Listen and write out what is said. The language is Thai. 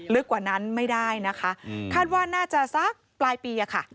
กว่านั้นไม่ได้นะคะคาดว่าน่าจะสักปลายปีอะค่ะ